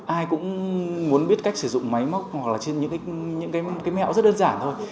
ai cũng muốn biết cách sử dụng máy móc hoặc là những mẹo rất đơn giản thôi